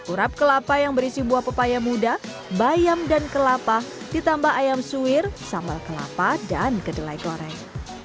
urap kelapa yang berisi buah pepaya muda bayam dan kelapa ditambah ayam suwir sambal kelapa dan kedelai goreng